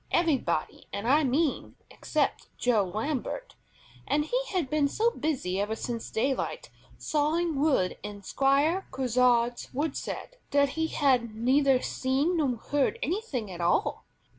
Everybody, I mean, except Joe Lambert, and he had been so busy ever since daylight, sawing wood in Squire Grisard's woodshed, that he had neither seen nor heard anything at all.